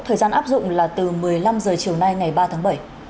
thời gian áp dụng là từ một mươi năm h chiều nay ngày ba tháng bảy